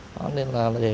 đó nên là để